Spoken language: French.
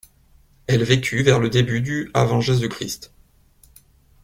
Elle vécut vers le début du avant Jésus-Christ.